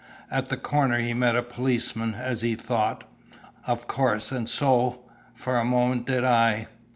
At the corner he met a policeman, as he thought, of course, and so, for a moment did I.